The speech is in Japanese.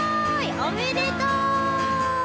おめでとう！